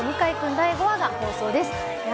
第５話が放送です。